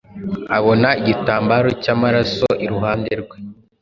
abona igitambaro cy'amaraso iruhande rwe,